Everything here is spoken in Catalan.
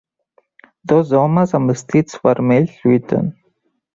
dos homes amb vestits vermells lluiten.